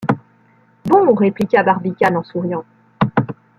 Bon! répliqua Barbicane en souriant.